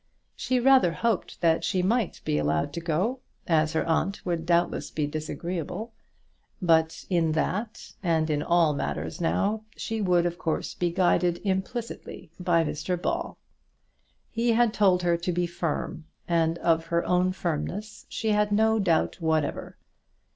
She rather hoped that she might be allowed to go, as her aunt would doubtless be disagreeable; but in that, and in all matters now, she would of course be guided implicitly by Mr Ball. He had told her to be firm, and of her own firmness she had no doubt whatever.